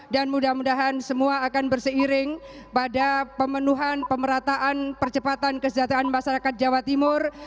dan mudah mudahan semua akan berseiring pada pemenuhan pemerataan percepatan kesejahteraan masyarakat jawa timur